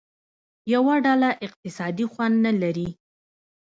یوه ډله اقتصادي خوند نه لري.